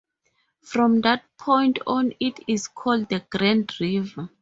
From that point on it is called the Grand River.